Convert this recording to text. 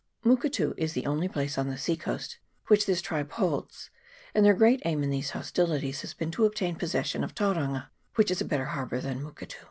Muketu is the only place on the sea coast which this tribe holds, and their great aim 396 NATIVE CUSTOM. [PART II. in these hostilities has been to obtain possession of Tauranga, which is a better harbour than Muketu.